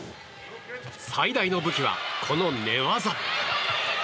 最大の武器は、この寝技。